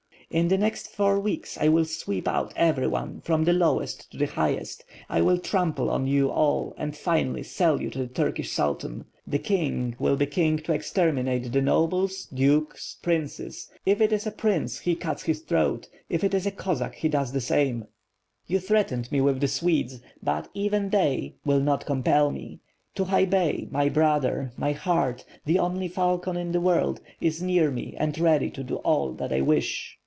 "In the next four weeks I will sweep out every one, from the lowest to the highest. I will trample on you all and finally sell you to the Turkish Sultan. The king will be king to exterminate the nobles, dukes, princes; if it is a prince he cuts his throat, if it is a Cossack, he does 6o8 WITH FIRE AND SWORD. the same. You threatened me with the Swedes, but, even tliey, will not compel me. Tukhay Bey, my brother, my heart, tlie only falcon in the world, is near me and ready to do all that I wish."